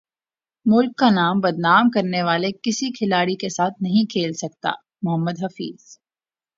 ملک کا نام بدنام کرنے والے کسی کھلاڑی کے ساتھ نہیں کھیل سکتا محمد حفیظ